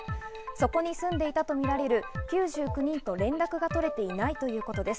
そこに住んでいたとみられる９９人と連絡が取れていないということです。